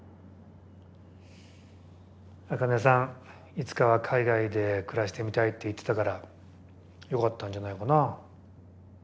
いつかは海外で暮らしてみたいって言ってたからよかったんじゃないかなぁ。